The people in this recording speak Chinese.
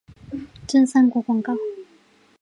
真三国广告。